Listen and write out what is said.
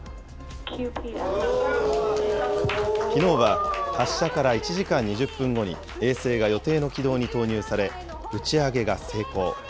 きのうは、発射から１時間２０分後に衛星が予定の軌道に投入され、打ち上げが成功。